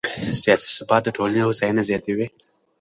سیاسي ثبات د ټولنې هوساینه زیاتوي